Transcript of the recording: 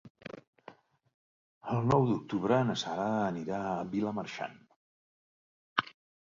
El nou d'octubre na Sara anirà a Vilamarxant.